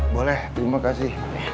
pak ei orang parce sehat